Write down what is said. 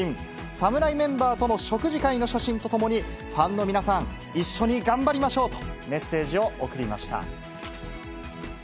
侍メンバーとの食事会の写真とともに、ファンの皆さん、一緒に頑張りましょう！とメッセージを送りました。